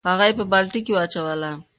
هغه یې په بالټي کې واچوله.